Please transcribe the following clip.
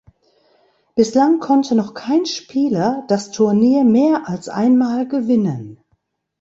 Bislang konnte noch kein Spieler das Turnier mehr als einmal gewinnen.